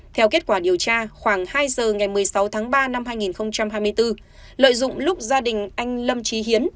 theo kết quả điều tra khoảng hai giờ ngày một mươi sáu tháng ba năm hai nghìn hai mươi bốn lợi dụng lúc gia đình anh lâm trí hiến